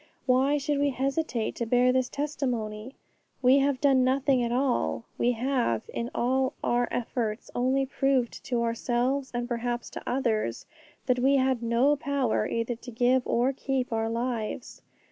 Why should we hesitate to bear this testimony? We have done nothing at all; we have, in all our efforts, only proved to ourselves, and perhaps to others, that we had no power either to give or keep our lives.